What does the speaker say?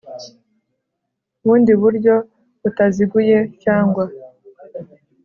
bundi buryo butaziguye cyangwa